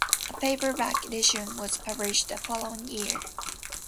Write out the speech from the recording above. A paperback edition was published the following year.